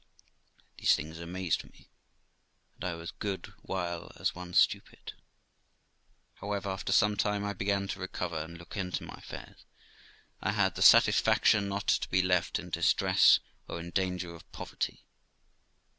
These things amazed me, and I was a good while as one stupid. How ever, after some time I began to recover, and look into my affairs. I had the satisfaction not to be left in distress, or in danger of poverty.